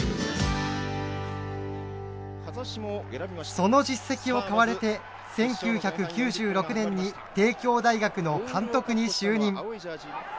その実績を買われて１９９６年に帝京大学の監督に就任。